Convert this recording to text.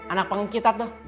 anak pengki tatu